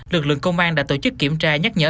lực lượng công an đã tổ chức kiểm tra nhắc nhở